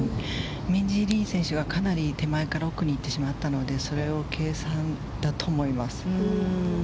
ミンジー・リー選手はかなり手前から奥に行ってしまったのでそれを計算してだと思います。